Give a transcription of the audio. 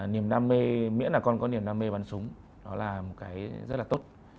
niềm đam mê miễn là con có niềm đam mê bắn súng đó là một cái rất là tốt